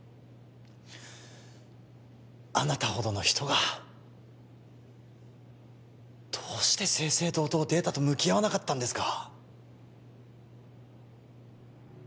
あなたほどの人がどうして正々堂々データと向き合わなかったんですか？